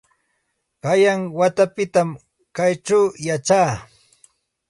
Qanyan watapitam kaćhaw yachaa.